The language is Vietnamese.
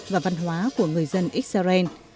và văn hóa của người dân israel